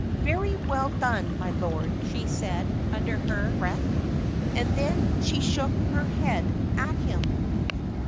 "Very well done, my lord," she said, under her breath; and then she shook her head at him.